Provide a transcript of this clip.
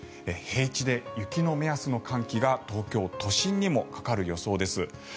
平地で雪の目安の寒気が東京都心にもかかる予想です。